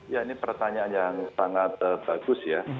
ya ini pertanyaan yang sangat bagus ya